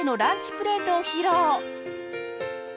プレートを披露！